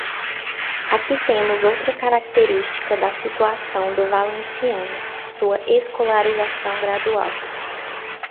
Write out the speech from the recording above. Aqui temos outra característica da situação do valenciano: sua escolarização gradual.